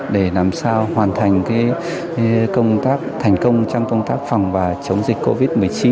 để làm sao hoàn thành công tác thành công trong công tác phòng và chống dịch covid một mươi chín